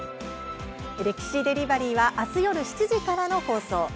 「歴史デリバリー」はあす夜７時からの放送。